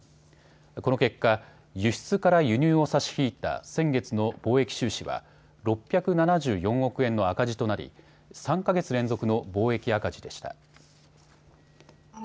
この結果、輸出から輸入を差し引いた先月の貿易収支は６７４億円の赤字となり３か月連続の貿易赤字でした。